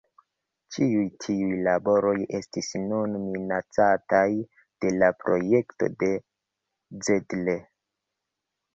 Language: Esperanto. Ĉiuj tiuj laboroj estis nun minacataj de la projekto de Zedler.